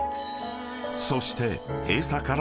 ［そして］